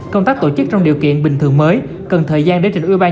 công tác tổ chức trong điều kiện bình thường mới cần thời gian để tp hcm xem xét